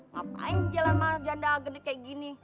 ngapain jalan janda gede kayak gini